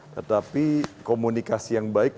tetapi komunikasi yang baik